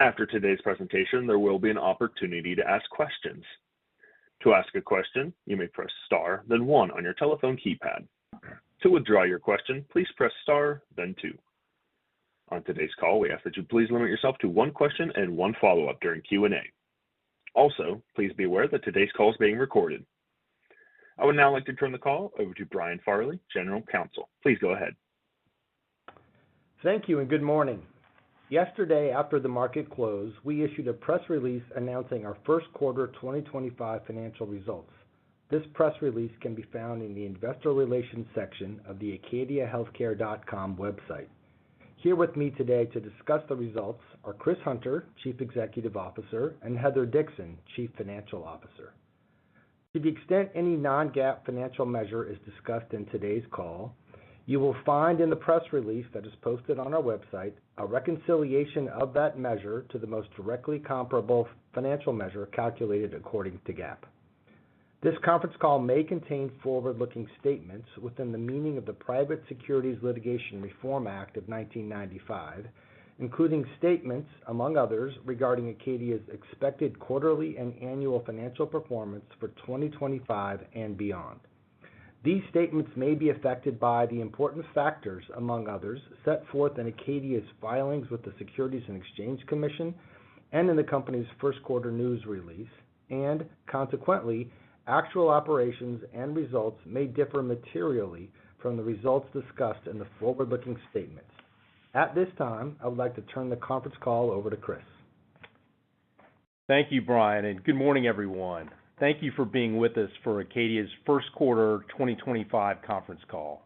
After today's presentation, there will be an opportunity to ask questions. To ask a question, you may press star, then ons on your telephone keypad. To withdraw your question, please press Star, then two. On today's call, we ask that you please limit yourself to one question and one follow-up during Q&A. Also, please be aware that today's call is being recorded. I would now like to turn the call over to Brian Farley, General Counsel. Please go ahead. Thank you, and good morning. Yesterday, after the market closed, we issued a press release announcing our first quarter 2025 financial results. This press release can be found in the Investor Relations section of the acadiahealthcare.com website. Here with me today to discuss the results are Chris Hunter, Chief Executive Officer, and Heather Dixon, Chief Financial Officer. To the extent any Non-GAAP financial measure is discussed in today's call, you will find in the press release that is posted on our website a reconciliation of that measure to the most directly comparable financial measure calculated according to GAAP. This conference call may contain forward-looking statements within the meaning of the Private Securities Litigation Reform Act of 1995, including statements, among others, regarding Acadia's expected quarterly and annual financial performance for 2025 and beyond. These statements may be affected by the important factors, among others, set forth in Acadia's filings with the Securities and Exchange Commission and in the company's first quarter news release, and consequently, actual operations and results may differ materially from the results discussed in the forward-looking statements. At this time, I would like to turn the conference call over to Chris. Thank you, Brian, and good morning, everyone. Thank you for being with us for Acadia's first quarter 2025 conference call.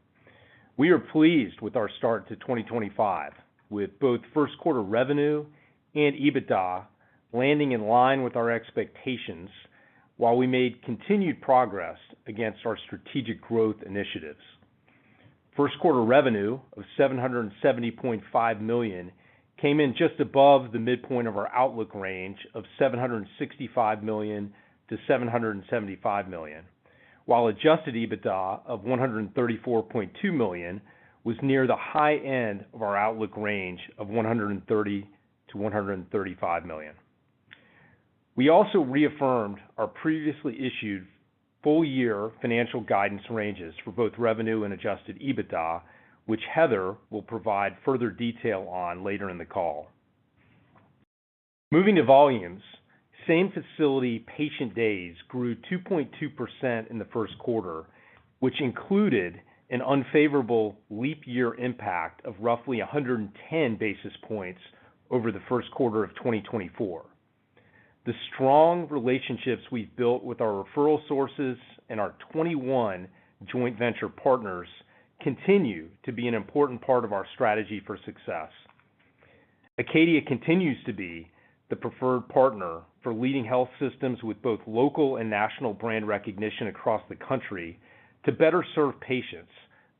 We are pleased with our start to 2025, with both first quarter revenue and EBITDA landing in line with our expectations while we made continued progress against our strategic growth initiatives. First quarter revenue of $770.5 million came in just above the midpoint of our outlook range of $765 million-$775 million, while adjusted EBITDA of $134.2 million was near the high end of our outlook range of $130 million-$135 million. We also reaffirmed our previously issued full-year financial guidance ranges for both revenue and adjusted EBITDA, which Heather will provide further detail on later in the call. Moving to volumes, same-facility patient days grew 2.2% in the first quarter, which included an unfavorable leap year impact of roughly 110 basis points over the first quarter of 2024. The strong relationships we've built with our referral sources and our 21 joint venture partners continue to be an important part of our strategy for success. Acadia continues to be the preferred partner for leading health systems with both local and national brand recognition across the country to better serve patients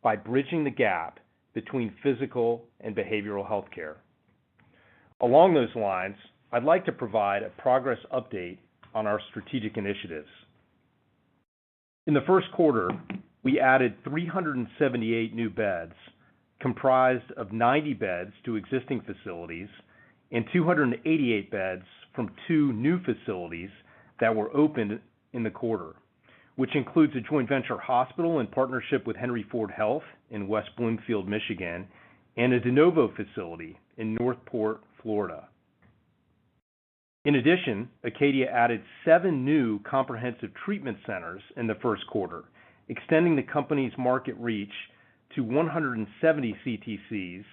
by bridging the gap between physical and behavioral healthcare. Along those lines, I'd like to provide a progress update on our strategic initiatives. In the first quarter, we added 378 new beds, comprised of 90 beds to existing facilities and 288 beds from two new facilities that were opened in the quarter, which includes a joint venture hospital in partnership with Henry Ford Health in West Bloomfield, Michigan, and a De Novo facility in Northport, Florida. In addition, Acadia added seven new comprehensive treatment centers in the first quarter, extending the company's market reach to 170 CTCs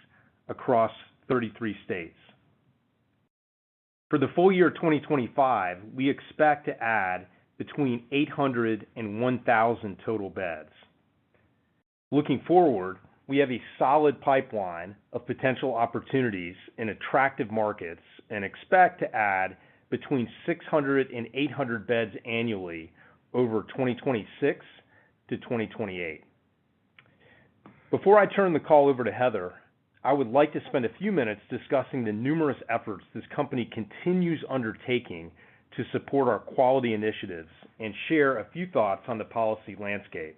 across 33 states. For the full year 2025, we expect to add between 800 and 1,000 total beds. Looking forward, we have a solid pipeline of potential opportunities in attractive markets and expect to add between 600 and 800 beds annually over 2026 to 2028. Before I turn the call over to Heather, I would like to spend a few minutes discussing the numerous efforts this company continues undertaking to support our quality initiatives and share a few thoughts on the policy landscape.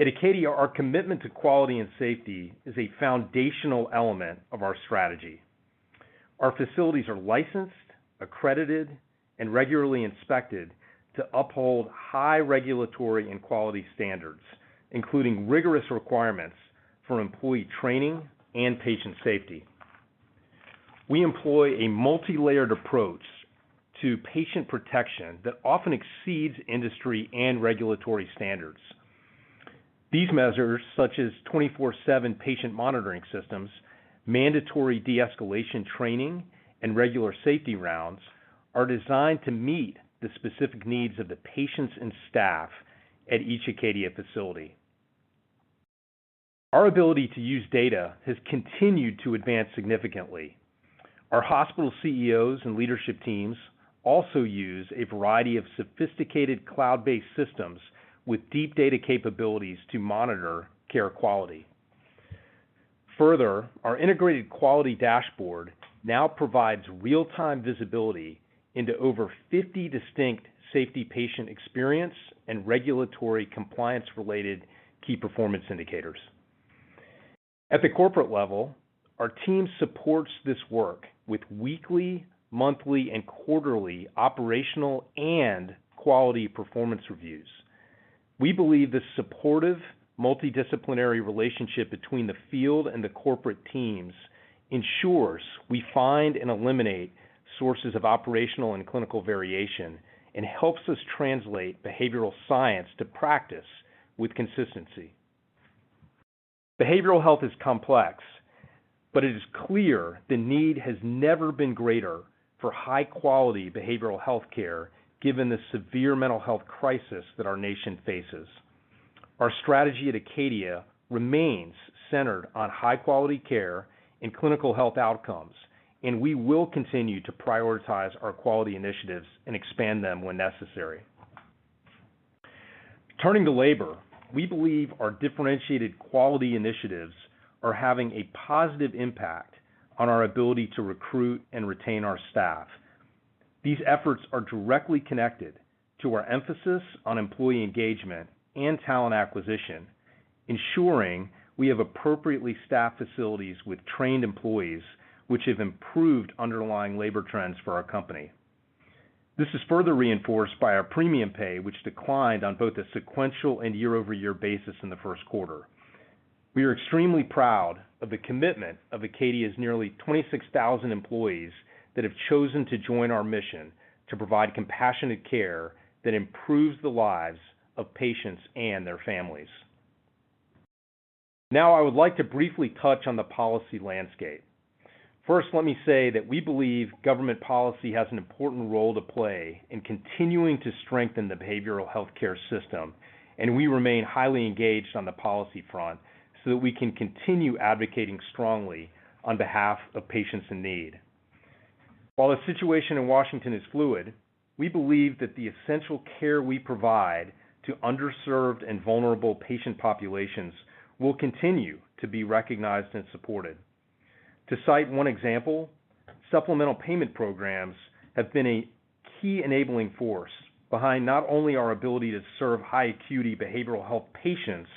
At Acadia, our commitment to quality and safety is a foundational element of our strategy. Our facilities are licensed, accredited, and regularly inspected to uphold high regulatory and quality standards, including rigorous requirements for employee training and patient safety. We employ a multi-layered approach to patient protection that often exceeds industry and regulatory standards. These measures, such as 24/7 patient monitoring systems, mandatory de-escalation training, and regular safety rounds, are designed to meet the specific needs of the patients and staff at each Acadia facility. Our ability to use data has continued to advance significantly. Our hospital CEOs and leadership teams also use a variety of sophisticated cloud-based systems with deep data capabilities to monitor care quality. Further, our integrated quality dashboard now provides real-time visibility into over 50 distinct safety, patient experience, and regulatory compliance-related key performance indicators. At the corporate level, our team supports this work with weekly, monthly, and quarterly operational and quality performance reviews. We believe the supportive multidisciplinary relationship between the field and the corporate teams ensures we find and eliminate sources of operational and clinical variation and helps us translate behavioral science to practice with consistency. Behavioral health is complex, but it is clear the need has never been greater for high-quality behavioral healthcare given the severe mental health crisis that our nation faces. Our strategy at Acadia remains centered on high-quality care and clinical health outcomes, and we will continue to prioritize our quality initiatives and expand them when necessary. Turning to labor, we believe our differentiated quality initiatives are having a positive impact on our ability to recruit and retain our staff. These efforts are directly connected to our emphasis on employee engagement and talent acquisition, ensuring we have appropriately staffed facilities with trained employees, which have improved underlying labor trends for our company. This is further reinforced by our premium pay, which declined on both a sequential and year-over-year basis in the first quarter. We are extremely proud of the commitment of Acadia's nearly 26,000 employees that have chosen to join our mission to provide compassionate care that improves the lives of patients and their families. Now, I would like to briefly touch on the policy landscape. First, let me say that we believe government policy has an important role to play in continuing to strengthen the behavioral healthcare system, and we remain highly engaged on the policy front so that we can continue advocating strongly on behalf of patients in need. While the situation in Washington is fluid, we believe that the essential care we provide to underserved and vulnerable patient populations will continue to be recognized and supported. To cite one example, supplemental payment programs have been a key enabling force behind not only our ability to serve high-acuity behavioral health patients,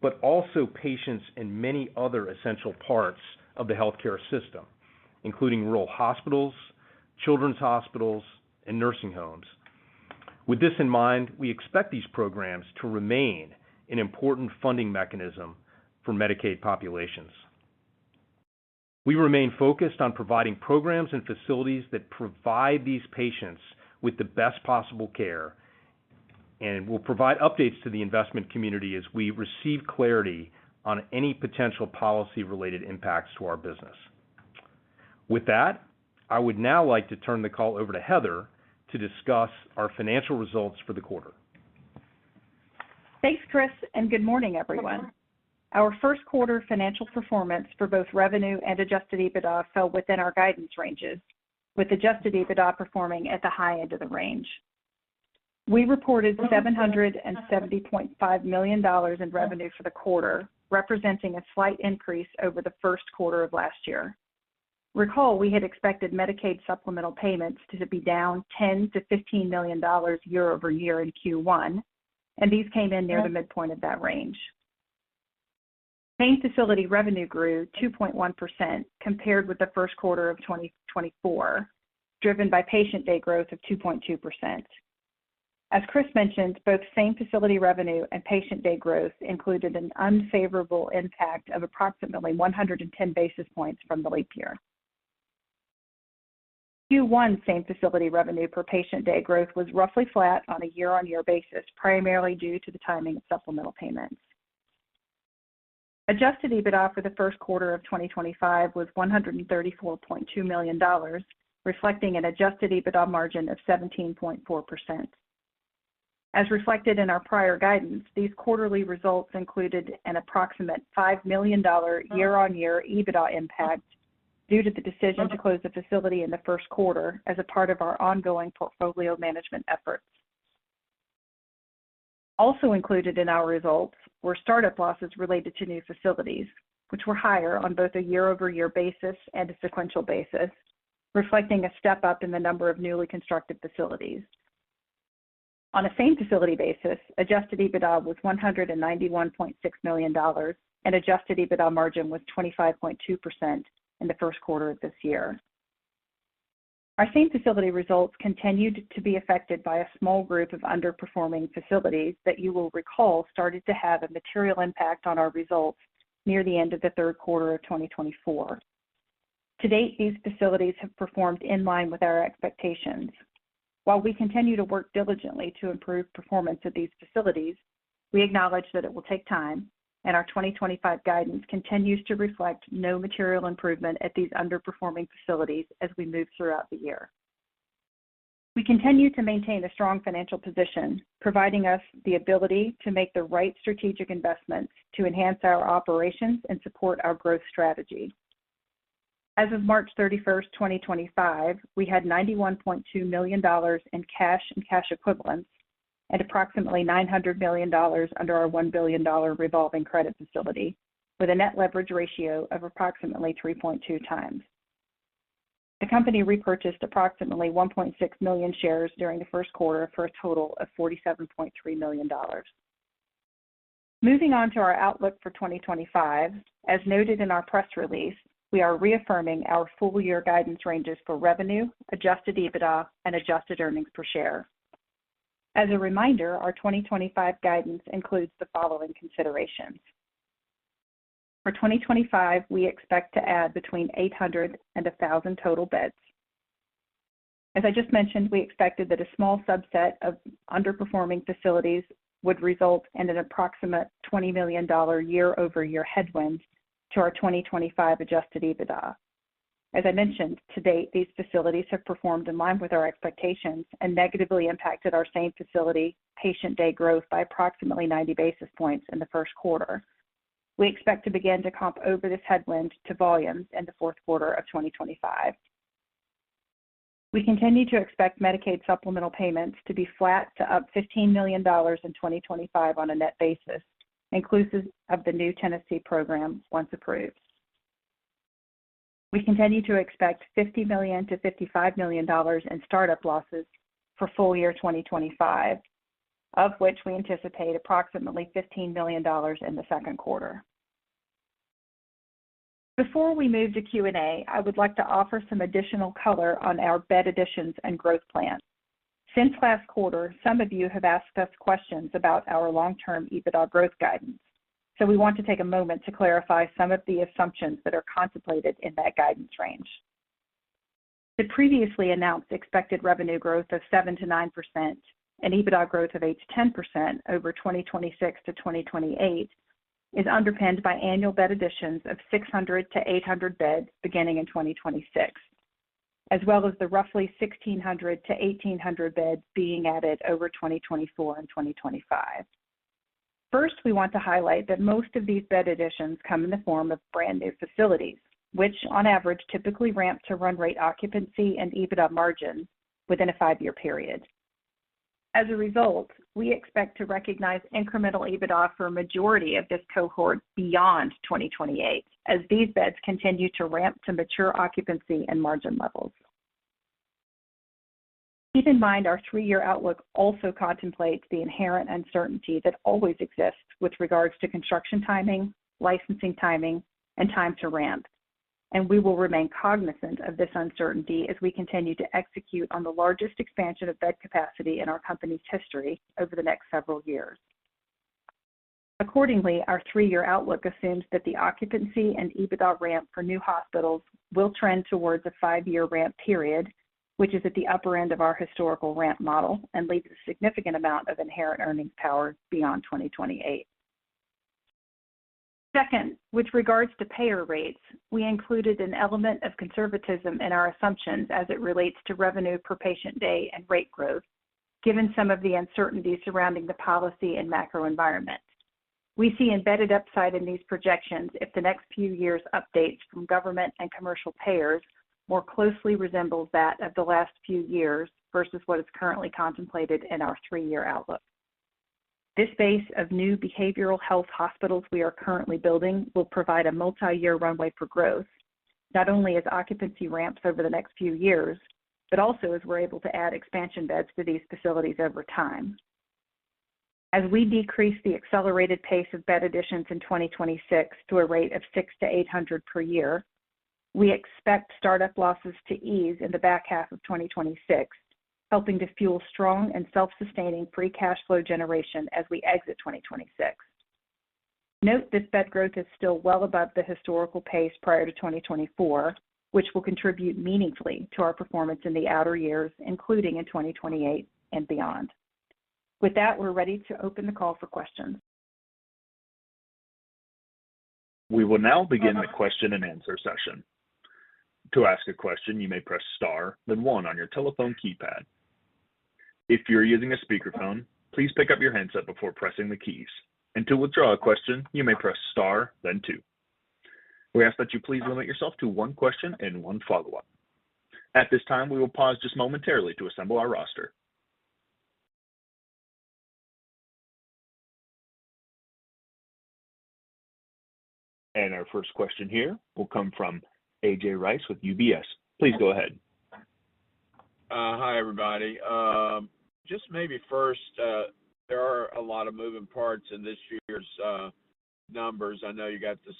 but also patients in many other essential parts of the healthcare system, including rural hospitals, children's hospitals, and nursing homes. With this in mind, we expect these programs to remain an important funding mechanism for Medicaid populations. We remain focused on providing programs and facilities that provide these patients with the best possible care and will provide updates to the investment community as we receive clarity on any potential policy-related impacts to our business. With that, I would now like to turn the call over to Heather to discuss our financial results for the quarter. Thanks, Chris, and good morning, everyone. Our first quarter financial performance for both revenue and adjusted EBITDA fell within our guidance ranges, with adjusted EBITDA performing at the high end of the range. We reported $770.5 million in revenue for the quarter, representing a slight increase over the first quarter of last year. Recall, we had expected Medicaid supplemental payments to be down $10 million-$15 million year-over-year in Q1, and these came in near the midpoint of that range. Same-facility revenue grew 2.1% compared with the first quarter of 2024, driven by patient day growth of 2.2%. As Chris mentioned, both same-facility revenue and patient day growth included an unfavorable impact of approximately 110 basis points from the leap year. Q1 same-facility revenue per patient day growth was roughly flat on a year-on-year basis, primarily due to the timing of supplemental payments. Adjusted EBITDA for the first quarter of 2025 was $134.2 million, reflecting an adjusted EBITDA margin of 17.4%. As reflected in our prior guidance, these quarterly results included an approximate $5 million year-on-year EBITDA impact due to the decision to close the facility in the first quarter as a part of our ongoing portfolio management efforts. Also included in our results were startup losses related to new facilities, which were higher on both a year-over-year basis and a sequential basis, reflecting a step up in the number of newly constructed facilities. On a same-facility basis, adjusted EBITDA was $191.6 million, and adjusted EBITDA margin was 25.2% in the first quarter of this year. Our same-facility results continued to be affected by a small group of underperforming facilities that you will recall started to have a material impact on our results near the end of the third quarter of 2024. To date, these facilities have performed in line with our expectations. While we continue to work diligently to improve performance of these facilities, we acknowledge that it will take time, and our 2025 guidance continues to reflect no material improvement at these underperforming facilities as we move throughout the year. We continue to maintain a strong financial position, providing us the ability to make the right strategic investments to enhance our operations and support our growth strategy. As of March 31st, 2025, we had $91.2 million in cash and cash equivalents and approximately $900 million under our $1 billion revolving credit facility, with a net leverage ratio of approximately 3.2x. The company repurchased approximately $1.6 million shares during the first quarter for a total of $47.3 million. Moving on to our outlook for 2025, as noted in our press release, we are reaffirming our full-year guidance ranges for revenue, adjusted EBITDA, and adjusted earnings per share. As a reminder, our 2025 guidance includes the following considerations. For 2025, we expect to add between 800 and 1,000 total beds. As I just mentioned, we expected that a small subset of underperforming facilities would result in an approximate $20 million year-over-year headwind to our 2025 adjusted EBITDA. As I mentioned, to date, these facilities have performed in line with our expectations and negatively impacted our same-facility patient day growth by approximately 90 basis points in the first quarter. We expect to begin to comp over this headwind to volumes in the fourth quarter of 2025. We continue to expect Medicaid supplemental payments to be flat to up $15 million in 2025 on a net basis, inclusive of the new Tennessee programs once approved. We continue to expect $50 million-$55 million in startup losses for full year 2025, of which we anticipate approximately $15 million in the second quarter. Before we move to Q&A, I would like to offer some additional color on our bed additions and growth plan. Since last quarter, some of you have asked us questions about our long-term EBITDA growth guidance, so we want to take a moment to clarify some of the assumptions that are contemplated in that guidance range. The previously announced expected revenue growth of 7%-9% and EBITDA growth of 8%-10% over 2026-2028 is underpinned by annual bed additions of 600-800 beds beginning in 2026, as well as the roughly 1,600-1,800 beds being added over 2024 and 2025. First, we want to highlight that most of these bed additions come in the form of brand new facilities, which on average typically ramp to run rate occupancy and EBITDA margin within a five-year period. As a result, we expect to recognize incremental EBITDA for a majority of this cohort beyond 2028, as these beds continue to ramp to mature occupancy and margin levels. Keep in mind our three-year outlook also contemplates the inherent uncertainty that always exists with regards to construction timing, licensing timing, and time to ramp, and we will remain cognizant of this uncertainty as we continue to execute on the largest expansion of bed capacity in our company's history over the next several years. Accordingly, our three-year outlook assumes that the occupancy and EBITDA ramp for new hospitals will trend towards a five-year ramp period, which is at the upper end of our historical ramp model and leaves a significant amount of inherent earnings power beyond 2028. Second, with regards to payer rates, we included an element of conservatism in our assumptions as it relates to revenue per patient day and rate growth, given some of the uncertainty surrounding the policy and macro environment. We see embedded upside in these projections if the next few years' updates from government and commercial payers more closely resemble that of the last few years versus what is currently contemplated in our three-year outlook. This base of new behavioral health hospitals we are currently building will provide a multi-year runway for growth, not only as occupancy ramps over the next few years, but also as we're able to add expansion beds to these facilities over time. As we decrease the accelerated pace of bed additions in 2026 to a rate of 600-800 per year, we expect startup losses to ease in the back half of 2026, helping to fuel strong and self-sustaining free cash flow generation as we exit 2026. Note this bed growth is still well above the historical pace prior to 2024, which will contribute meaningfully to our performance in the outer years, including in 2028 and beyond. With that, we're ready to open the call for questions. We will now begin the question and answer session. To ask a question, you may press star, then one on your telephone keypad. If you're using a speakerphone, please pick up your handset before pressing the keys. To withdraw a question, you may press star, then two. We ask that you please limit yourself to one question and one follow-up. At this time, we will pause just momentarily to assemble our roster. Our first question here will come from A.J. Rice with UBS. Please go ahead. Hi, everybody. Just maybe first, there are a lot of moving parts in this year's numbers. I know you got the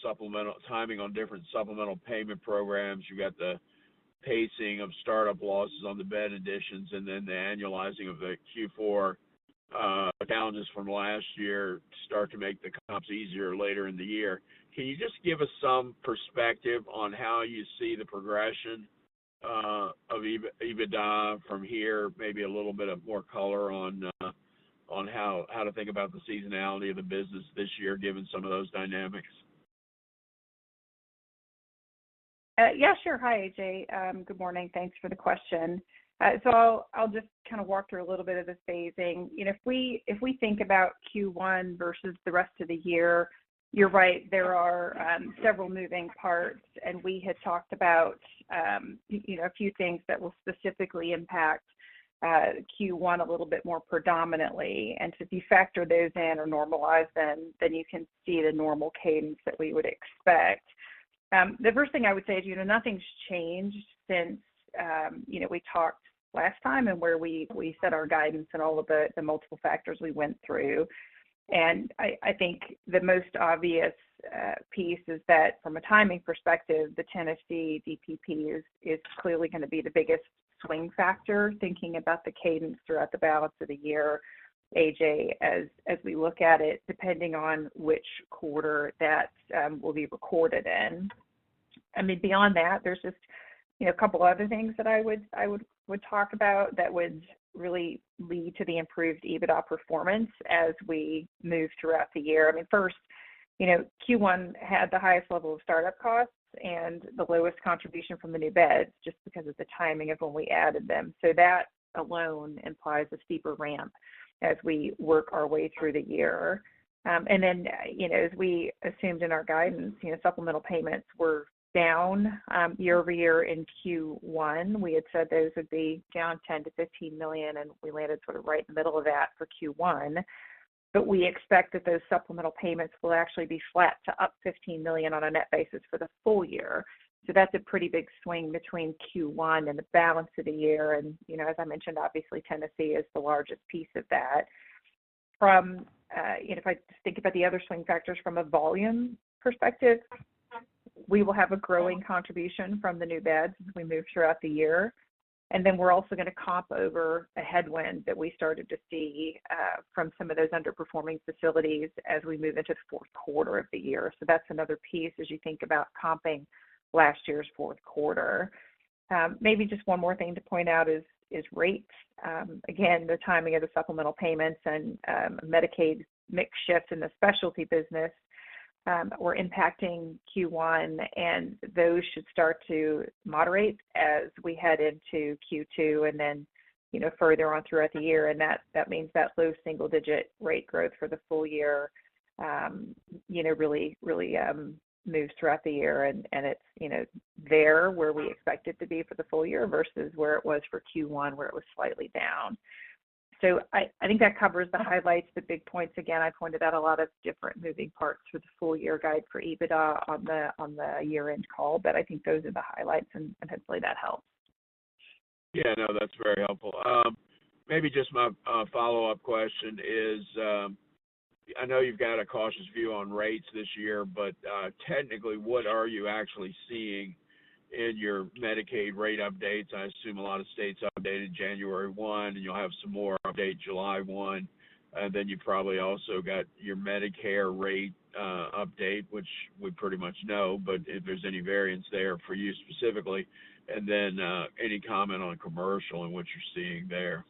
timing on different supplemental payment programs. You got the pacing of startup losses on the bed additions, and then the annualizing of the Q4 challenges from last year start to make the comps easier later in the year. Can you just give us some perspective on how you see the progression of EBITDA from here, maybe a little bit of more color on how to think about the seasonality of the business this year, given some of those dynamics? Yeah, sure. Hi, A.J. Good morning. Thanks for the question. I'll just kind of walk through a little bit of the phasing. If we think about Q1 versus the rest of the year, you're right, there are several moving parts, and we had talked about a few things that will specifically impact Q1 a little bit more predominantly. To defactor those in or normalize them, then you can see the normal cadence that we would expect. The first thing I would say is nothing's changed since we talked last time and where we set our guidance and all of the multiple factors we went through. I think the most obvious piece is that from a timing perspective, the Tennessee DPP is clearly going to be the biggest swing factor, thinking about the cadence throughout the balance of the year, A.J., as we look at it, depending on which quarter that will be recorded in. I mean, beyond that, there's just a couple of other things that I would talk about that would really lead to the improved EBITDA performance as we move throughout the year. I mean, first, Q1 had the highest level of startup costs and the lowest contribution from the new beds just because of the timing of when we added them. That alone implies a steeper ramp as we work our way through the year. As we assumed in our guidance, supplemental payments were down year-over-year in Q1. We had said those would be down $10 million-$15 million, and we landed sort of right in the middle of that for Q1. We expect that those supplemental payments will actually be flat to up $15 million on a net basis for the full year. That is a pretty big swing between Q1 and the balance of the year. As I mentioned, obviously, Tennessee is the largest piece of that. If I just think about the other swing factors from a volume perspective, we will have a growing contribution from the new beds as we move throughout the year. We are also going to comp over a headwind that we started to see from some of those underperforming facilities as we move into the fourth quarter of the year. That is another piece as you think about comping last year's fourth quarter. Maybe just one more thing to point out is rates. Again, the timing of the supplemental payments and Medicaid mix shift in the specialty business were impacting Q1, and those should start to moderate as we head into Q2 and then further on throughout the year. That means that low single-digit rate growth for the full year really moves throughout the year, and it is there where we expect it to be for the full year versus where it was for Q1, where it was slightly down. I think that covers the highlights, the big points. Again, I pointed out a lot of different moving parts for the full year guide for EBITDA on the year-end call, but I think those are the highlights, and hopefully that helps. Yeah, no, that's very helpful. Maybe just my follow-up question is, I know you've got a cautious view on rates this year, but technically, what are you actually seeing in your Medicaid rate updates? I assume a lot of states updated January 1, and you'll have some more update July 1. You probably also got your Medicare rate update, which we pretty much know, but if there's any variance there for you specifically, and then any comment on commercial and what you're seeing there.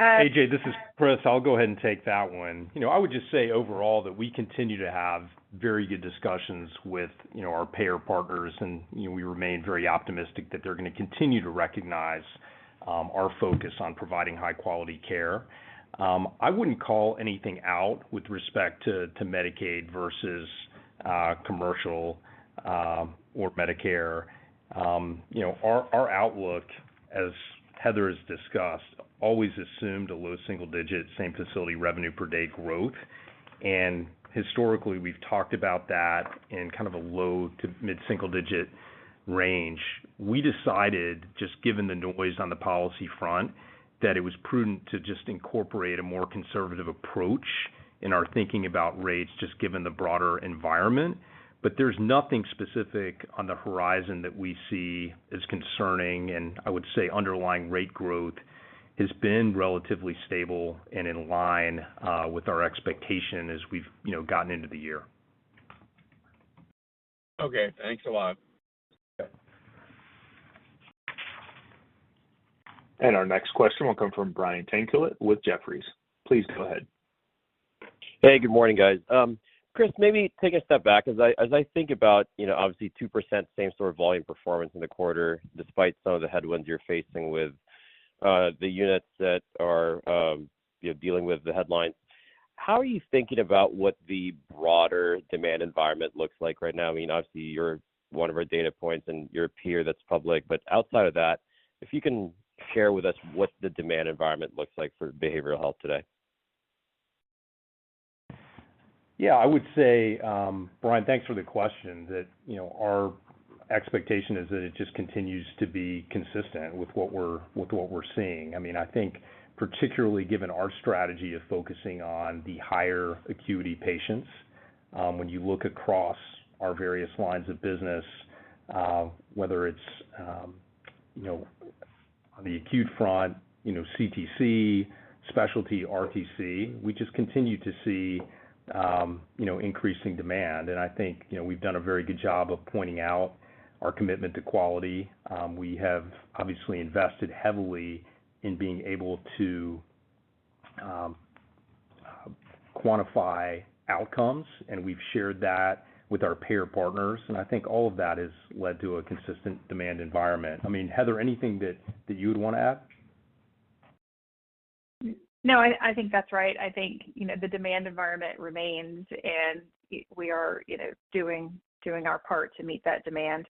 A.J., this is Chris. I'll go ahead and take that one. I would just say overall that we continue to have very good discussions with our payer partners, and we remain very optimistic that they're going to continue to recognize our focus on providing high-quality care. I wouldn't call anything out with respect to Medicaid versus commercial or Medicare. Our outlook, as Heather has discussed, always assumed a low single-digit, same-facility revenue per day growth. Historically, we've talked about that in kind of a low to mid-single-digit range. We decided, just given the noise on the policy front, that it was prudent to just incorporate a more conservative approach in our thinking about rates, just given the broader environment. There is nothing specific on the horizon that we see as concerning, and I would say underlying rate growth has been relatively stable and in line with our expectation as we have gotten into the year. Okay. Thanks a lot. Our next question will come from Brian Tanquilut with Jefferies. Please go ahead. Hey, good morning, guys. Chris, maybe take a step back. As I think about, obviously, 2% same-store volume performance in the quarter, despite some of the headwinds you're facing with the units that are dealing with the headlines, how are you thinking about what the broader demand environment looks like right now? I mean, obviously, you're one of our data points and you're a peer that's public. Outside of that, if you can share with us what the demand environment looks like for behavioral health today. Yeah, I would say, Brian, thanks for the question, that our expectation is that it just continues to be consistent with what we're seeing. I mean, I think, particularly given our strategy of focusing on the higher acuity patients, when you look across our various lines of business, whether it's on the acute front, CTC, specialty, RTC, we just continue to see increasing demand. I think we've done a very good job of pointing out our commitment to quality. We have obviously invested heavily in being able to quantify outcomes, and we've shared that with our payer partners. I think all of that has led to a consistent demand environment. I mean, Heather, anything that you would want to add? No, I think that's right. I think the demand environment remains, and we are doing our part to meet that demand.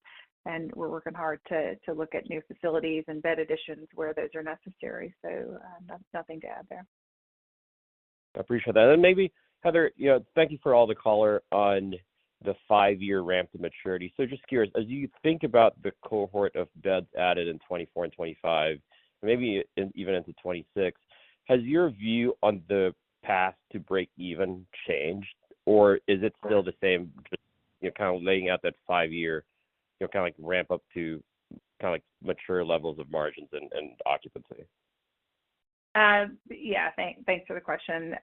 We're working hard to look at new facilities and bed additions where those are necessary. Nothing to add there. I appreciate that. Maybe, Heather, thank you for all the color on the five-year ramp to maturity. Just curious, as you think about the cohort of beds added in 2024 and 2025, maybe even into 2026, has your view on the path to break even changed, or is it still the same kind of laying out that five-year kind of ramp up to kind of mature levels of margins and occupancy? Yeah, thanks for the question.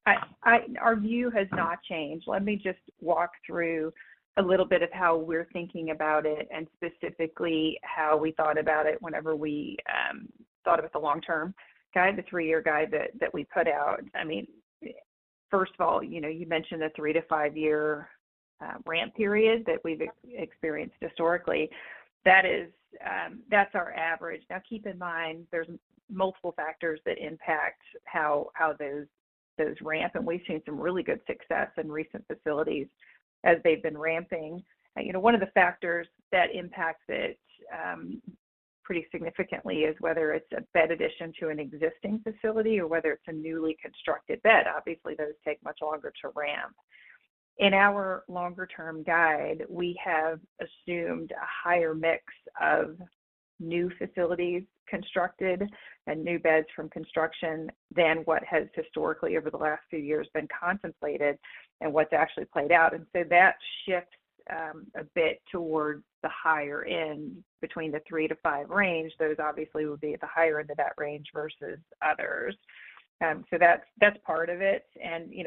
Our view has not changed. Let me just walk through a little bit of how we're thinking about it and specifically how we thought about it whenever we thought about the long-term guide, the three-year guide that we put out. I mean, first of all, you mentioned the three to five-year ramp period that we've experienced historically. That's our average. Now, keep in mind, there's multiple factors that impact how those ramp, and we've seen some really good success in recent facilities as they've been ramping. One of the factors that impacts it pretty significantly is whether it's a bed addition to an existing facility or whether it's a newly constructed bed. Obviously, those take much longer to ramp. In our longer-term guide, we have assumed a higher mix of new facilities constructed and new beds from construction than what has historically over the last few years been contemplated and what's actually played out. That shifts a bit towards the higher end between the 3-5 range. Those obviously will be at the higher end of that range versus others. That is part of it.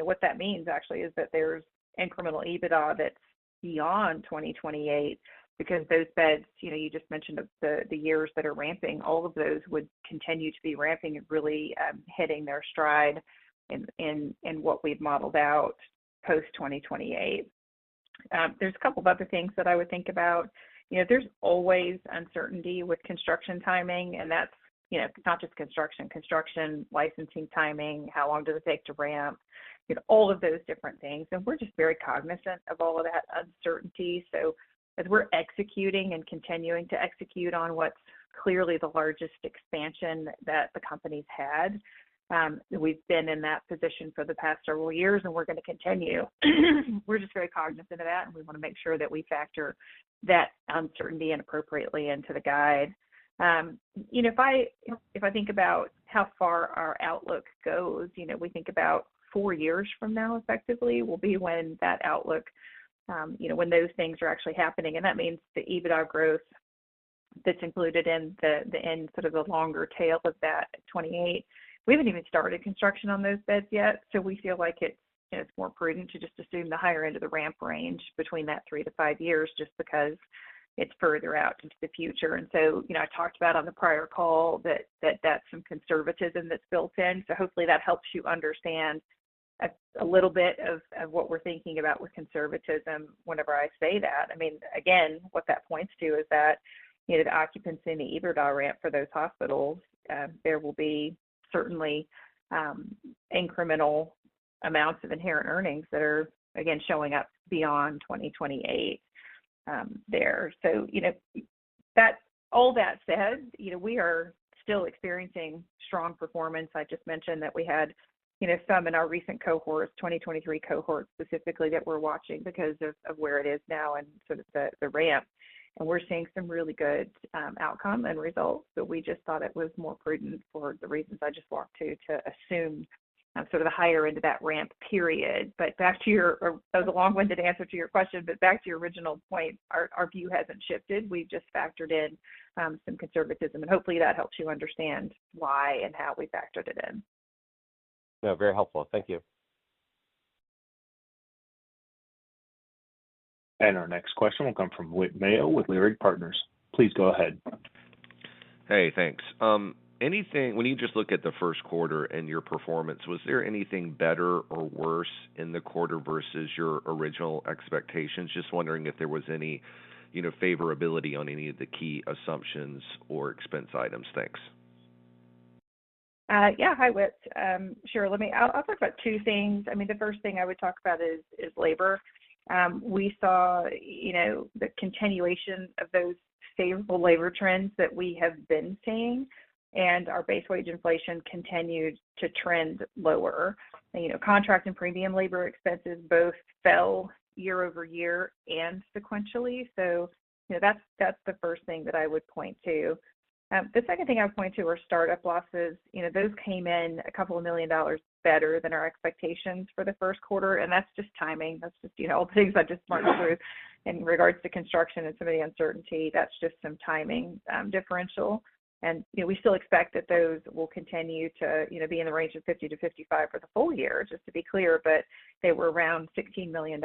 What that means actually is that there is incremental EBITDA that is beyond 2028 because those beds, you just mentioned the years that are ramping, all of those would continue to be ramping and really hitting their stride in what we have modeled out post-2028. There are a couple of other things that I would think about. There is always uncertainty with construction timing, and that is not just construction, construction licensing timing, how long does it take to ramp, all of those different things. We are just very cognizant of all of that uncertainty. As we are executing and continuing to execute on what is clearly the largest expansion that the company has had, we have been in that position for the past several years, and we are going to continue. We are just very cognizant of that, and we want to make sure that we factor that uncertainty appropriately into the guide. If I think about how far our outlook goes, we think about four years from now effectively will be when that outlook, when those things are actually happening. That means the EBITDA growth that is included in sort of the longer tail of that 2028. We have not even started construction on those beds yet, so we feel like it is more prudent to just assume the higher end of the ramp range between that three- to five-year period just because it is further out into the future. I talked about on the prior call that that's some conservatism that's built in. Hopefully, that helps you understand a little bit of what we're thinking about with conservatism whenever I say that. I mean, again, what that points to is that the occupancy and the EBITDA ramp for those hospitals, there will be certainly incremental amounts of inherent earnings that are, again, showing up beyond 2028 there. All that said, we are still experiencing strong performance. I just mentioned that we had some in our recent cohorts, 2023 cohort specifically that we're watching because of where it is now and sort of the ramp. We're seeing some really good outcomes and results, but we just thought it was more prudent for the reasons I just walked to, to assume sort of the higher end of that ramp period. That was a long-winded answer to your question, but back to your original point, our view hasn't shifted. We've just factored in some conservatism, and hopefully, that helps you understand why and how we factored it in. No, very helpful. Thank you. Our next question will come from Whit Mayo with Leerink Partners. Please go ahead. Hey, thanks. When you just look at the first quarter and your performance, was there anything better or worse in the quarter versus your original expectations? Just wondering if there was any favorability on any of the key assumptions or expense items. Thanks. Yeah, hi Whit. Sure. I'll talk about two things. I mean, the first thing I would talk about is labor. We saw the continuation of those favorable labor trends that we have been seeing, and our base wage inflation continued to trend lower. Contract and premium labor expenses both fell year-over-year and sequentially. That's the first thing that I would point to. The second thing I would point to are startup losses. Those came in a couple of million dollars better than our expectations for the first quarter. That's just timing. That's just all the things I just marked through in regards to construction and some of the uncertainty. That's just some timing differential. We still expect that those will continue to be in the range of $50 million-$55 million for the full year, just to be clear. They were around $16 million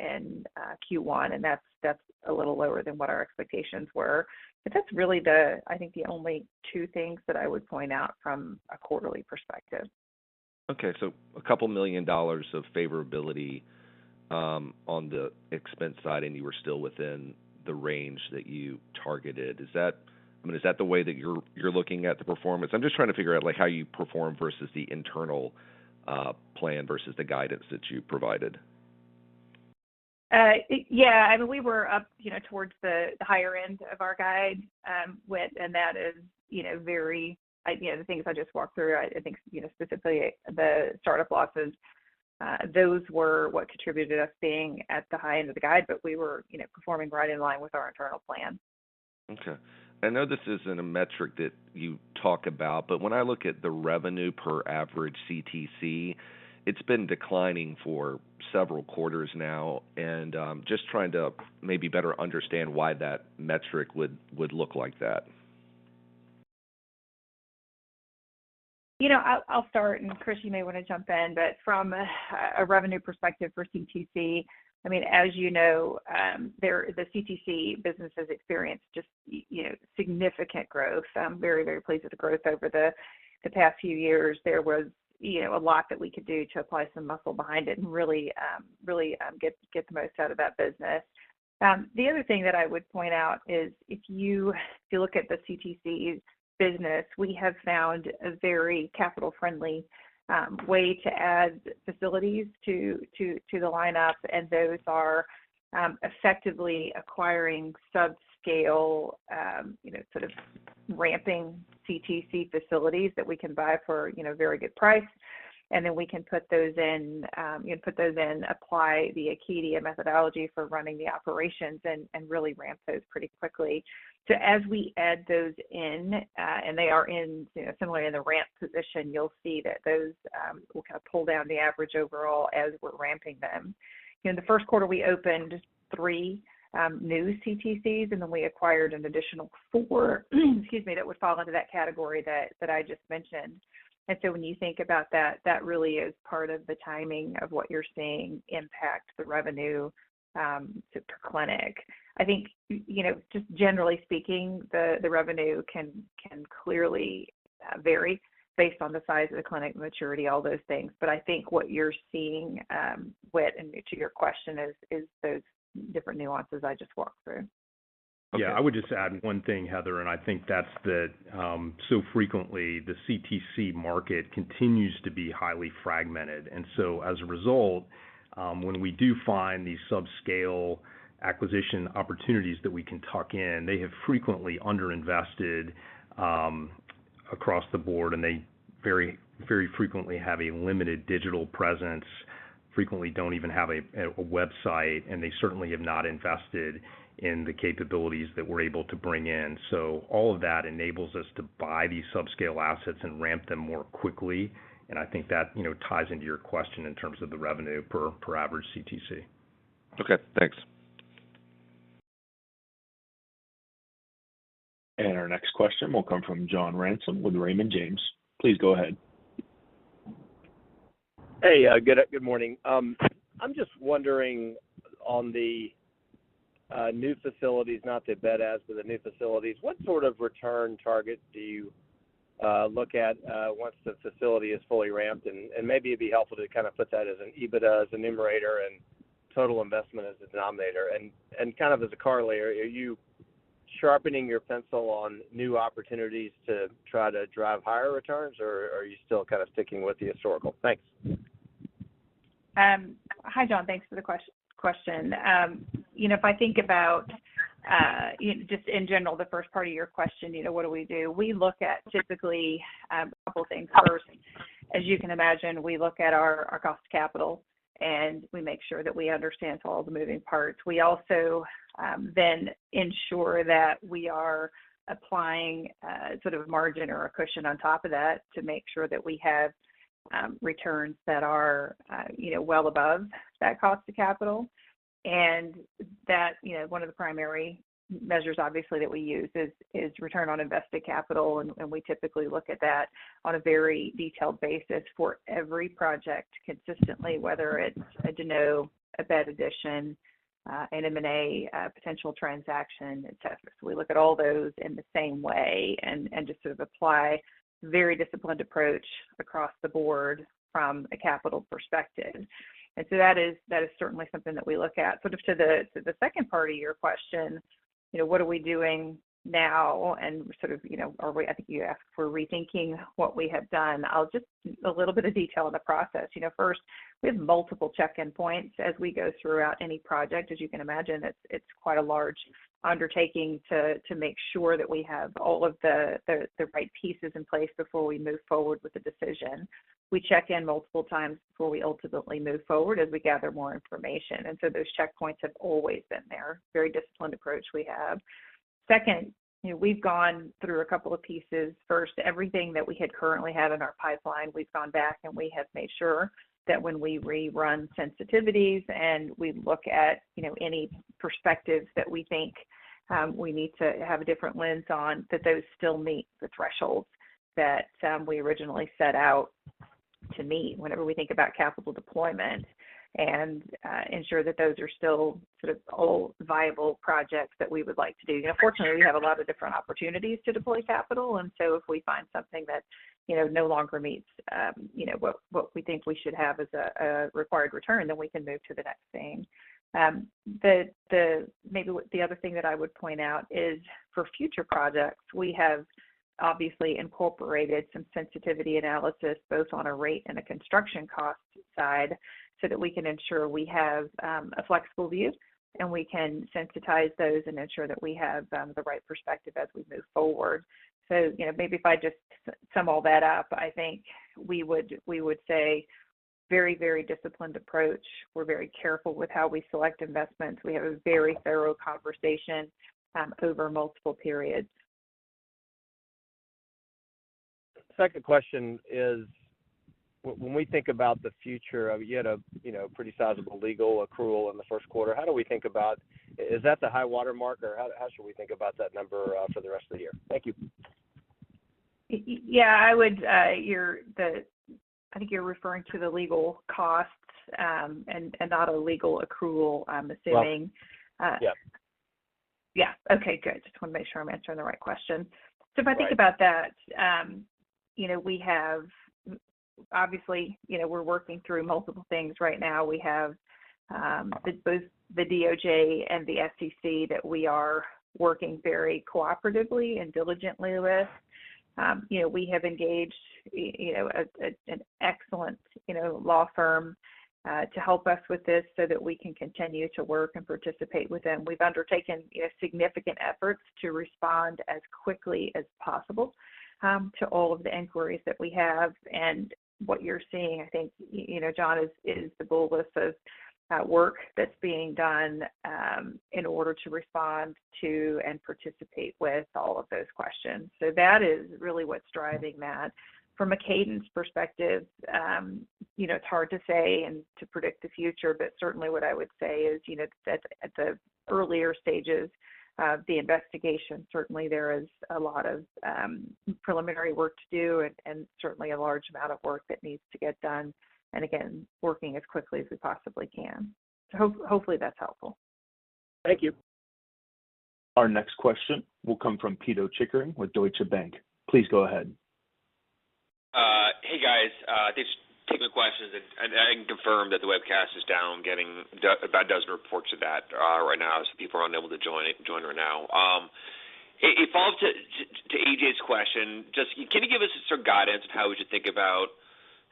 in Q1, and that's a little lower than what our expectations were. But that's really, I think, the only two things that I would point out from a quarterly perspective. Okay. So a couple of million dollars of favorability on the expense side, and you were still within the range that you targeted. I mean, is that the way that you're looking at the performance? I'm just trying to figure out how you perform versus the internal plan versus the guidance that you provided. Yeah. I mean, we were up towards the higher end of our guide, Whit, and that is very the things I just walked through, I think specifically the startup losses, those were what contributed us being at the high end of the guide, but we were performing right in line with our internal plan. Okay. I know this isn't a metric that you talk about, but when I look at the revenue per average CTC, it's been declining for several quarters now. And just trying to maybe better understand why that metric would look like that. I'll start, and Chris, you may want to jump in, but from a revenue perspective for CTC, I mean, as you know, the CTC business has experienced just significant growth. I'm very, very pleased with the growth over the past few years. There was a lot that we could do to apply some muscle behind it and really get the most out of that business. The other thing that I would point out is if you look at the CTC business, we have found a very capital-friendly way to add facilities to the lineup, and those are effectively acquiring subscale sort of ramping CTC facilities that we can buy for a very good price. Then we can put those in, put those in, apply the Acadia methodology for running the operations, and really ramp those pretty quickly. As we add those in, and they are similarly in the ramp position, you'll see that those will kind of pull down the average overall as we're ramping them. In the first quarter, we opened three new CTCs, and then we acquired an additional four, excuse me, that would fall into that category that I just mentioned. When you think about that, that really is part of the timing of what you're seeing impact the revenue for clinic. I think just generally speaking, the revenue can clearly vary based on the size of the clinic, maturity, all those things. I think what you're seeing, Whit, and to your question, is those different nuances I just walked through. Yeah. I would just add one thing, Heather, and I think that's that so frequently the CTC market continues to be highly fragmented. As a result, when we do find these subscale acquisition opportunities that we can tuck in, they have frequently underinvested across the board, and they very frequently have a limited digital presence, frequently do not even have a website, and they certainly have not invested in the capabilities that we're able to bring in. All of that enables us to buy these subscale assets and ramp them more quickly. I think that ties into your question in terms of the revenue per average CTC. Okay. Thanks. Our next question will come from John Ransom with Raymond James. Please go ahead. Hey, good morning. I'm just wondering on the new facilities, not the bed adds, but the new facilities, what sort of return target do you look at once the facility is fully ramped? Maybe it'd be helpful to kind of put that as an EBITDA as a numerator and total investment as a denominator. Kind of as a core layer, are you sharpening your pencil on new opportunities to try to drive higher returns, or are you still kind of sticking with the historical? Thanks. Hi, John. Thanks for the question. If I think about just in general, the first part of your question, what do we do? We look at typically a couple of things. First, as you can imagine, we look at our cost of capital, and we make sure that we understand all the moving parts. We also then ensure that we are applying sort of a margin or a cushion on top of that to make sure that we have returns that are well above that cost of capital. One of the primary measures, obviously, that we use is return on invested capital. We typically look at that on a very detailed basis for every project consistently, whether it's a De Novo, a bed addition, an M&A, a potential transaction, etc. We look at all those in the same way and just sort of apply a very disciplined approach across the board from a capital perspective. That is certainly something that we look at. To the second part of your question, what are we doing now? I think you asked for rethinking what we have done. I'll give a little bit of detail on the process. First, we have multiple check-in points as we go throughout any project. As you can imagine, it's quite a large undertaking to make sure that we have all of the right pieces in place before we move forward with the decision. We check in multiple times before we ultimately move forward as we gather more information. Those checkpoints have always been there. Very disciplined approach we have. Second, we've gone through a couple of pieces. First, everything that we had currently had in our pipeline, we've gone back and we have made sure that when we rerun sensitivities and we look at any perspectives that we think we need to have a different lens on, that those still meet the thresholds that we originally set out to meet whenever we think about capital deployment and ensure that those are still sort of all viable projects that we would like to do. Fortunately, we have a lot of different opportunities to deploy capital. If we find something that no longer meets what we think we should have as a required return, then we can move to the next thing. Maybe the other thing that I would point out is for future projects, we have obviously incorporated some sensitivity analysis both on a rate and a construction cost side so that we can ensure we have a flexible view and we can sensitize those and ensure that we have the right perspective as we move forward. Maybe if I just sum all that up, I think we would say very, very disciplined approach. We're very careful with how we select investments. We have a very thorough conversation over multiple periods. Second question is, when we think about the future of you had a pretty sizable legal accrual in the first quarter, how do we think about is that the high watermark or how should we think about that number for the rest of the year? Thank you. Yeah. I think you're referring to the legal costs and not a legal accrual, I'm assuming. Right. Yep. Yeah. Okay. Good. Just want to make sure I'm answering the right question. If I think about that, obviously, we're working through multiple things right now. We have both the DOJ and the SEC that we are working very cooperatively and diligently with. We have engaged an excellent law firm to help us with this so that we can continue to work and participate with them. We've undertaken significant efforts to respond as quickly as possible to all of the inquiries that we have. What you're seeing, I think, John, is the bullets of work that's being done in order to respond to and participate with all of those questions. That is really what's driving that. From a cadence perspective, it's hard to say and to predict the future, but certainly what I would say is at the earlier stages of the investigation, certainly there is a lot of preliminary work to do and certainly a large amount of work that needs to get done. Again, working as quickly as we possibly can. Hopefully that's helpful. Thank you. Our next question will come from Pito Chickering with Deutsche Bank. Please go ahead. Hey, guys. These are technical questions. I can confirm that the webcast is down, getting about a dozen reports of that right now. People are unable to join right now. It falls to A.J.'s question. Just can you give us some guidance of how we should think about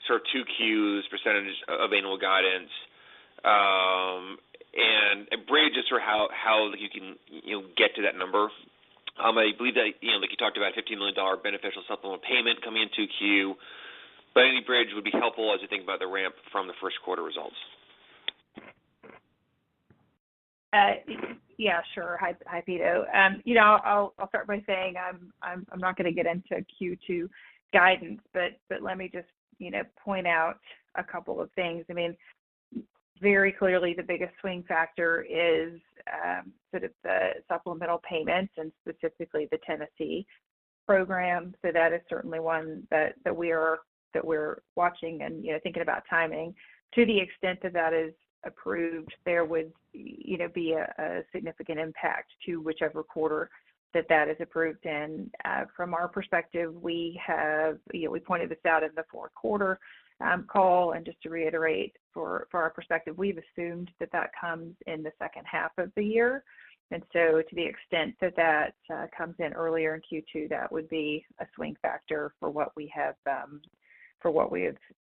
sort of 2Q, percentage of annual guidance, and bridge is sort of how you can get to that number? I believe that you talked about a $15 million beneficial supplemental payment coming in 2Q, but any bridge would be helpful as you think about the ramp from the first quarter results. Yeah. Sure. Hi, Pito. I'll start by saying I'm not going to get into Q2 guidance, but let me just point out a couple of things. I mean, very clearly, the biggest swing factor is sort of the supplemental payments and specifically the Tennessee program. That is certainly one that we're watching and thinking about timing. To the extent that that is approved, there would be a significant impact to whichever quarter that that is approved in. From our perspective, we pointed this out in the fourth quarter call. Just to reiterate for our perspective, we've assumed that that comes in the second half of the year. To the extent that that comes in earlier in Q2, that would be a swing factor for what we have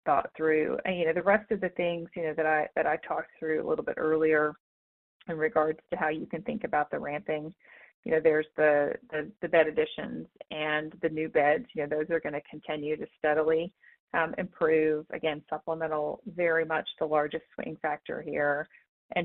thought through. The rest of the things that I talked through a little bit earlier in regards to how you can think about the ramping, there is the bed additions and the new beds. Those are going to continue to steadily improve. Again, supplemental is very much the largest swing factor here.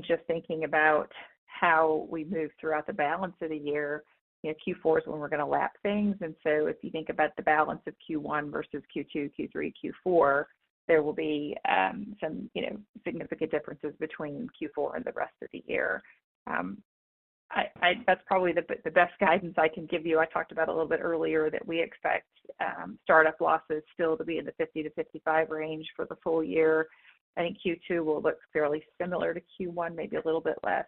Just thinking about how we move throughout the balance of the year, Q4 is when we are going to lap things. If you think about the balance of Q1 versus Q2, Q3, Q4, there will be some significant differences between Q4 and the rest of the year. That is probably the best guidance I can give you. I talked about a little bit earlier that we expect startup losses still to be in the $50 million-$55 million range for the full year. I think Q2 will look fairly similar to Q1, maybe a little bit less,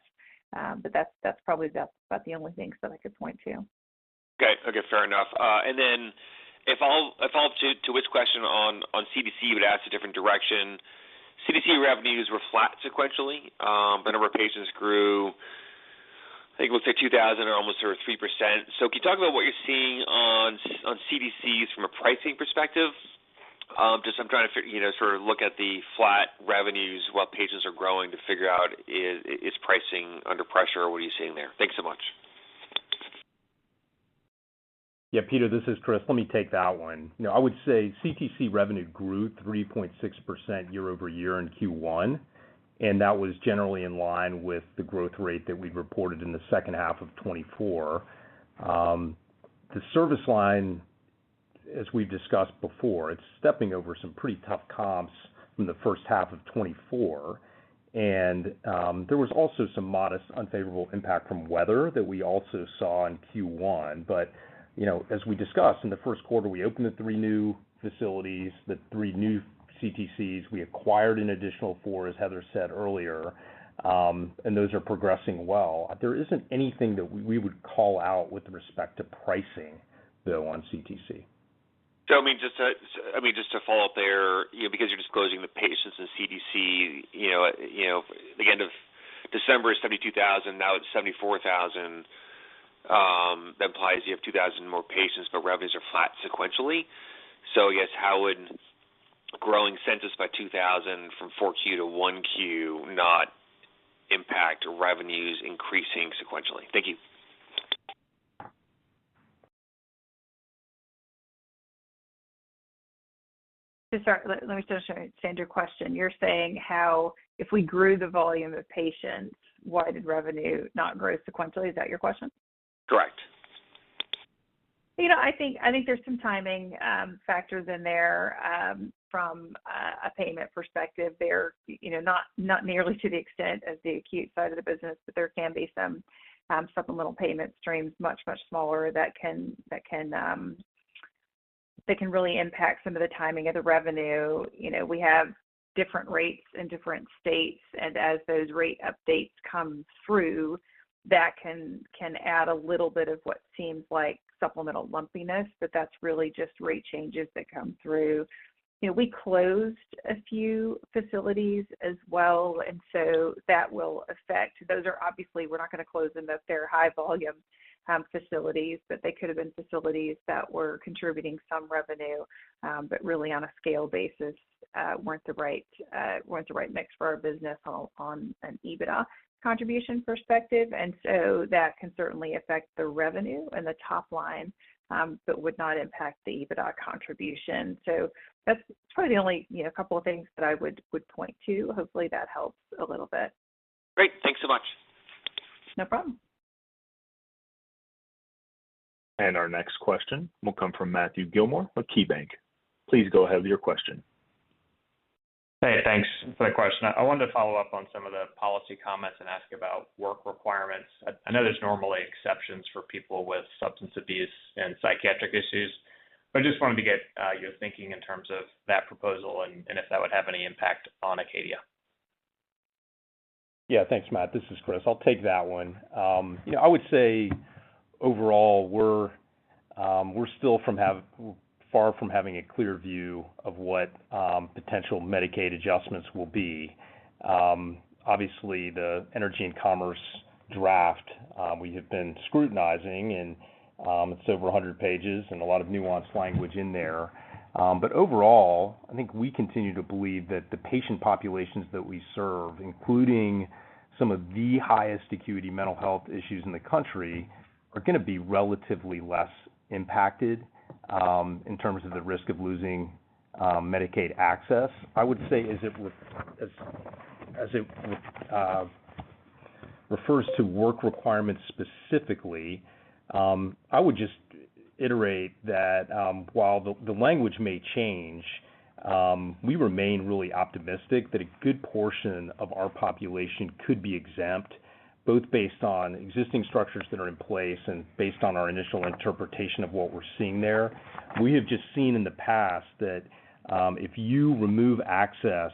but that's probably about the only things that I could point to. Okay. Okay. Fair enough. If I could ask a question on CTC, you would ask a different direction. CTC revenues were flat sequentially. The number of patients grew, I think we'll say 2,000 or almost 3%. Can you talk about what you're seeing on CTCs from a pricing perspective? I'm just trying to sort of look at the flat revenues while patients are growing to figure out is pricing under pressure or what are you seeing there? Thanks so much. Yeah. Pito, this is Chris. Let me take that one. I would say CTC revenue grew 3.6% year-over-year in Q1, and that was generally in line with the growth rate that we reported in the second half of 2024. The service line, as we've discussed before, it's stepping over some pretty tough comps from the first half of 2024. There was also some modest unfavorable impact from weather that we also saw in Q1. As we discussed, in the first quarter, we opened the three new facilities, the three new CTCs. We acquired an additional four, as Heather said earlier, and those are progressing well. There isn't anything that we would call out with respect to pricing, though, on CTC. I mean, just to follow up there, because you're disclosing the patients in CTC, the end of December is 72,000, now it's 74,000. That implies you have 2,000 more patients, but revenues are flat sequentially. I guess how would growing census by 2,000 from 4Q to 1Q not impact revenues increasing sequentially? Thank you. Let me just understand your question. You're saying how if we grew the volume of patients, why did revenue not grow sequentially? Is that your question? Correct. I think there's some timing factors in there from a payment perspective. They're not nearly to the extent of the acute side of the business, but there can be some supplemental payment streams, much, much smaller, that can really impact some of the timing of the revenue. We have different rates in different states, and as those rate updates come through, that can add a little bit of what seems like supplemental lumpiness, but that's really just rate changes that come through. We closed a few facilities as well, and so that will affect. Those are obviously, we're not going to close them if they're high-volume facilities, but they could have been facilities that were contributing some revenue, but really on a scale basis weren't the right mix for our business on an EBITDA contribution perspective. That can certainly affect the revenue and the top line, but would not impact the EBITDA contribution. That is probably the only couple of things that I would point to. Hopefully, that helps a little bit. Great. Thanks so much. No problem. Our next question will come from Matthew Gilmore with KeyBanc. Please go ahead with your question. Hey, thanks for the question. I wanted to follow up on some of the policy comments and ask about work requirements. I know there's normally exceptions for people with substance abuse and psychiatric issues, but I just wanted to get your thinking in terms of that proposal and if that would have any impact on Acadia. Yeah. Thanks, Matt. This is Chris. I'll take that one. I would say overall, we're still far from having a clear view of what potential Medicaid adjustments will be. Obviously, the energy and commerce draft we have been scrutinizing, and it's over 100 pages and a lot of nuanced language in there. Overall, I think we continue to believe that the patient populations that we serve, including some of the highest acuity mental health issues in the country, are going to be relatively less impacted in terms of the risk of losing Medicaid access. I would say as it refers to work requirements specifically, I would just iterate that while the language may change, we remain really optimistic that a good portion of our population could be exempt, both based on existing structures that are in place and based on our initial interpretation of what we're seeing there. We have just seen in the past that if you remove access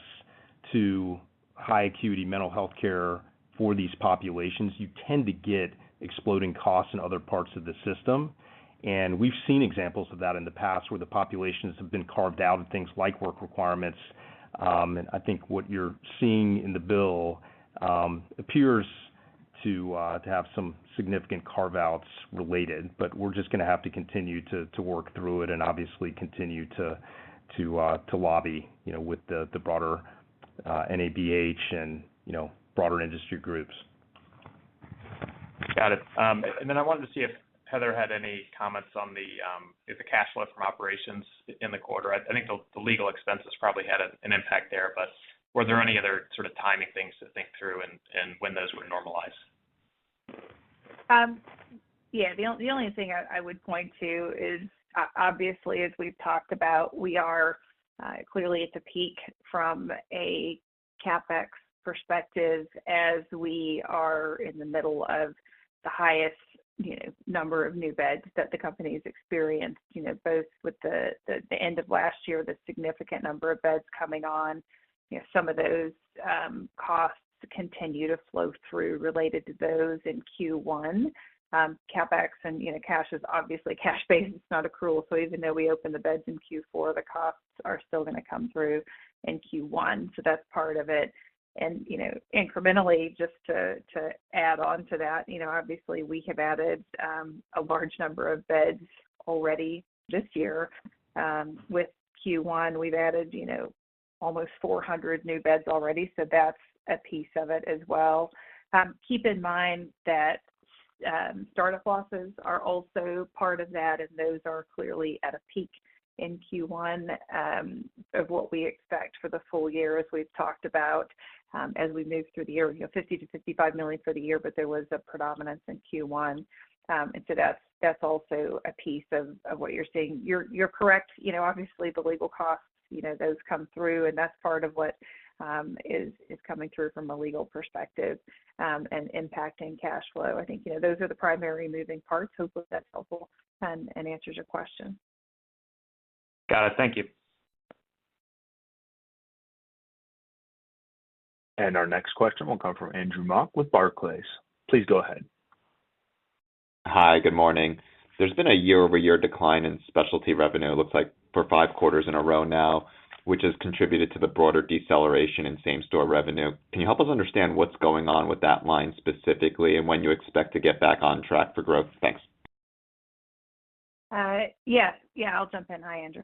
to high-acuity mental healthcare for these populations, you tend to get exploding costs in other parts of the system. We have seen examples of that in the past where the populations have been carved out of things like work requirements. I think what you are seeing in the bill appears to have some significant carve-outs related, but we are just going to have to continue to work through it and obviously continue to lobby with the broader NABH and broader industry groups. Got it. I wanted to see if Heather had any comments on the cash flow from operations in the quarter. I think the legal expenses probably had an impact there, but were there any other sort of timing things to think through and when those would normalize? Yeah. The only thing I would point to is, obviously, as we've talked about, we are clearly at the peak from a CapEx perspective as we are in the middle of the highest number of new beds that the company has experienced, both with the end of last year, the significant number of beds coming on. Some of those costs continue to flow through related to those in Q1. CapEx and cash is obviously cash-based. It's not accrual. Even though we opened the beds in Q4, the costs are still going to come through in Q1. That's part of it. Incrementally, just to add on to that, obviously, we have added a large number of beds already this year. With Q1, we've added almost 400 new beds already. That's a piece of it as well. Keep in mind that startup losses are also part of that, and those are clearly at a peak in Q1 of what we expect for the full year, as we've talked about as we move through the year. $50 million-$55 million for the year, but there was a predominance in Q1. That is also a piece of what you're seeing. You're correct. Obviously, the legal costs, those come through, and that's part of what is coming through from a legal perspective and impacting cash flow. I think those are the primary moving parts. Hopefully, that's helpful and answers your question. Got it. Thank you. Our next question will come from Andrew Mok with Barclays. Please go ahead. Hi, good morning. There's been a year-over-year decline in specialty revenue, looks like for five quarters in a row now, which has contributed to the broader deceleration in same-store revenue. Can you help us understand what's going on with that line specifically and when you expect to get back on track for growth? Thanks. Yes. Yeah. I'll jump in. Hi, Andrew.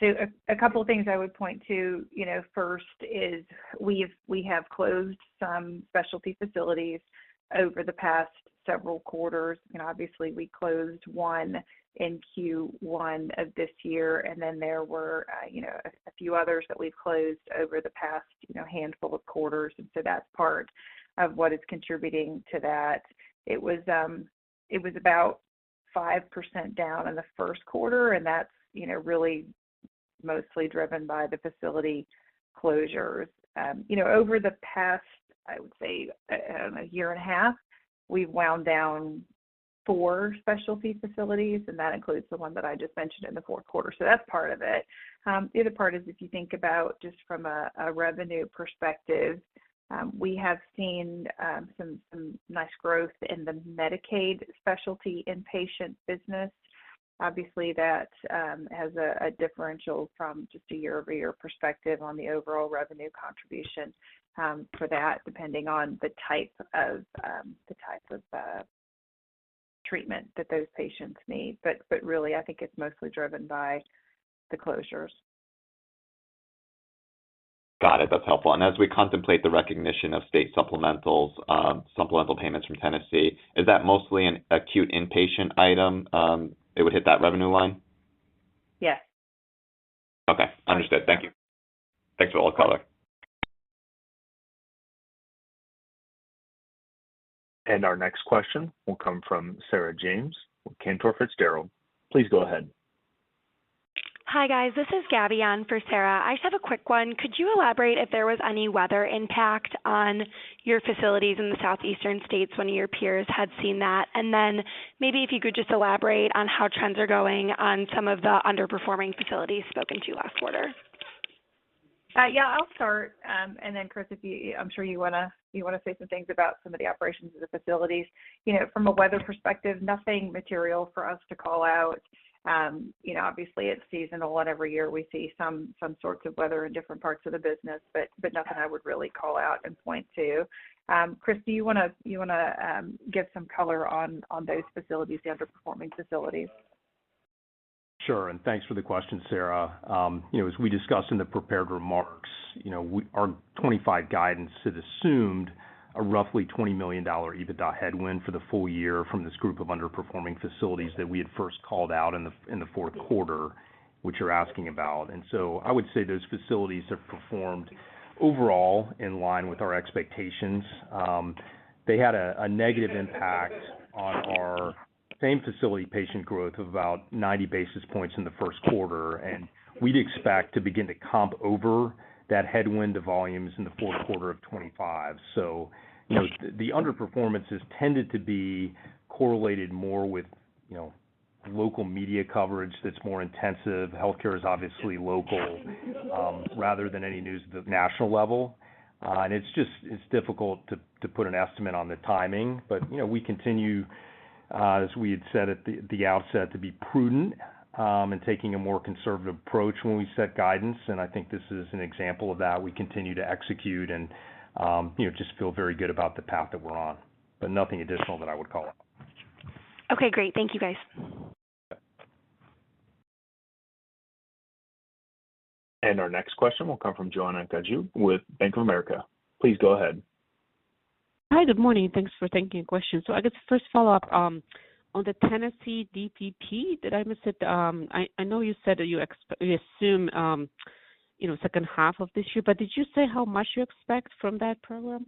So a couple of things I would point to. First is we have closed some specialty facilities over the past several quarters. Obviously, we closed one in Q1 of this year, and then there were a few others that we've closed over the past handful of quarters. That is part of what is contributing to that. It was about 5% down in the first quarter, and that is really mostly driven by the facility closures. Over the past, I would say, a year and a half, we've wound down four specialty facilities, and that includes the one that I just mentioned in the fourth quarter. That is part of it. The other part is if you think about just from a revenue perspective, we have seen some nice growth in the Medicaid specialty inpatient business. Obviously, that has a differential from just a year-over-year perspective on the overall revenue contribution for that, depending on the type of treatment that those patients need. Really, I think it's mostly driven by the closures. Got it. That's helpful. As we contemplate the recognition of state supplemental payments from Tennessee, is that mostly an acute inpatient item? It would hit that revenue line? Yes. Okay. Understood. Thank you. Thanks for the call. Our next question will come from Sarah James with Cantor Fitzgerald. Please go ahead. Hi, guys. This is Gabbian for Sarah. I just have a quick one. Could you elaborate if there was any weather impact on your facilities in the southeastern states when your peers had seen that? Could you just elaborate on how trends are going on some of the underperforming facilities spoken to last quarter. Yeah. I'll start. Then, Chris, I'm sure you want to say some things about some of the operations of the facilities. From a weather perspective, nothing material for us to call out. Obviously, it's seasonal, and every year we see some sorts of weather in different parts of the business, but nothing I would really call out and point to. Chris, do you want to give some color on those facilities, the underperforming facilities? Sure. Thanks for the question, Sarah. As we discussed in the prepared remarks, our 2025 guidance has assumed a roughly $20 million EBITDA headwind for the full year from this group of underperforming facilities that we had first called out in the fourth quarter, which you are asking about. I would say those facilities have performed overall in line with our expectations. They had a negative impact on our same facility patient growth of about 90 basis points in the first quarter, and we would expect to begin to comp over that headwind to volumes in the fourth quarter of 2025. The underperformances tended to be correlated more with local media coverage that is more intensive. Healthcare is obviously local rather than any news at the national level. It is difficult to put an estimate on the timing, but we continue, as we had said at the outset, to be prudent and taking a more conservative approach when we set guidance. I think this is an example of that. We continue to execute and just feel very good about the path that we are on, but nothing additional that I would call out. Okay. Great. Thank you, guys. Our next question will come from Joanna Gajuk with Bank of America. Please go ahead. Hi, good morning. Thanks for taking a question. I guess first follow-up on the Tennessee DPP, did I miss it? I know you said that you assume second half of this year, but did you say how much you expect from that program?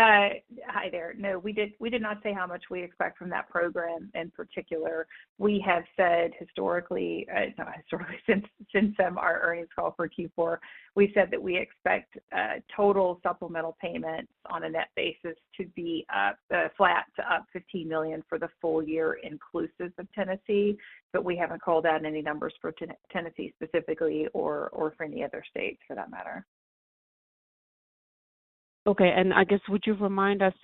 Hi there. No, we did not say how much we expect from that program in particular. We have said historically, not historically, since our earnings call for Q4, we said that we expect total supplemental payments on a net basis to be flat to up $15 million for the full year inclusive of Tennessee, but we haven't called out any numbers for Tennessee specifically or for any other states for that matter. Okay. I guess would you remind us,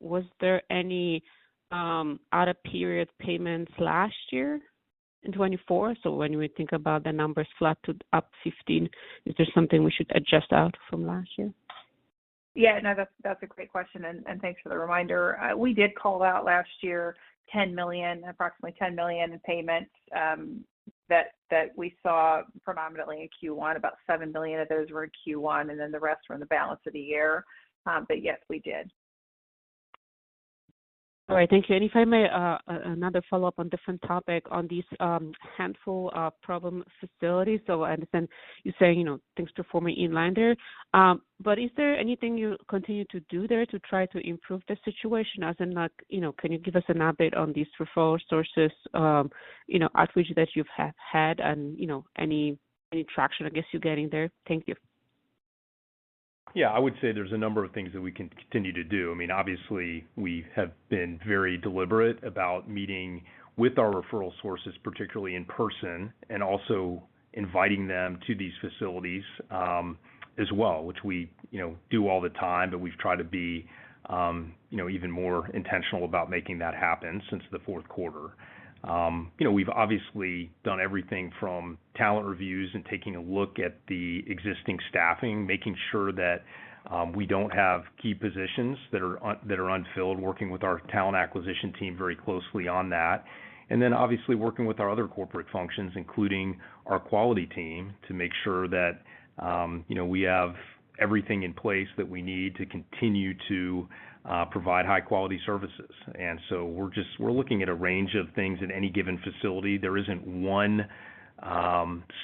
was there any out-of-period payments last year in 2024? When we think about the numbers flat to up 15, is there something we should adjust out from last year? Yeah. No, that's a great question, and thanks for the reminder. We did call out last year approximately $10 million in payments that we saw predominantly in Q1. About $7 million of those were in Q1, and then the rest were in the balance of the year. Yes, we did. All right. Thank you. If I may, another follow-up on a different topic on these handful of problem facilities. I understand you're saying things performing inland there. Is there anything you continue to do there to try to improve the situation? As in, can you give us an update on these referral sources, outreach that you've had, and any traction, I guess, you're getting there? Thank you. Yeah. I would say there's a number of things that we can continue to do. I mean, obviously, we have been very deliberate about meeting with our referral sources, particularly in person, and also inviting them to these facilities as well, which we do all the time, but we've tried to be even more intentional about making that happen since the fourth quarter. We've obviously done everything from talent reviews and taking a look at the existing staffing, making sure that we don't have key positions that are unfilled, working with our talent acquisition team very closely on that. Obviously, working with our other corporate functions, including our quality team, to make sure that we have everything in place that we need to continue to provide high-quality services. We're looking at a range of things in any given facility. There isn't one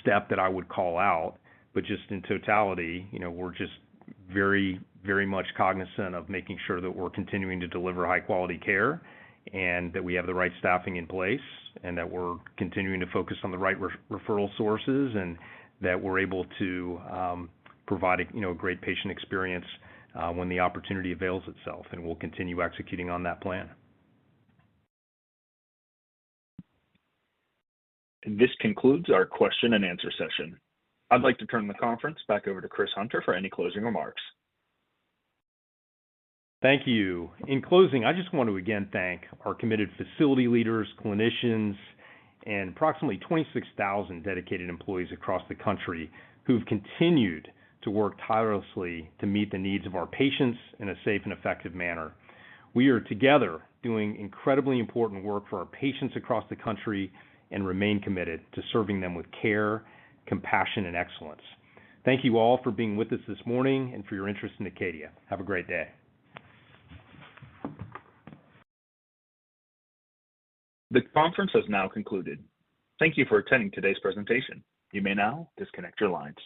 step that I would call out, but just in totality, we're just very, very much cognizant of making sure that we're continuing to deliver high-quality care and that we have the right staffing in place and that we're continuing to focus on the right referral sources and that we're able to provide a great patient experience when the opportunity avails itself. We'll continue executing on that plan. This concludes our question and answer session. I'd like to turn the conference back over to Chris Hunter for any closing remarks. Thank you. In closing, I just want to again thank our committed facility leaders, clinicians, and approximately 26,000 dedicated employees across the country who've continued to work tirelessly to meet the needs of our patients in a safe and effective manner. We are together doing incredibly important work for our patients across the country and remain committed to serving them with care, compassion, and excellence. Thank you all for being with us this morning and for your interest in Acadia. Have a great day. The conference has now concluded. Thank you for attending today's presentation. You may now disconnect your lines.